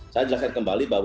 saya jelaskan kembali bahwa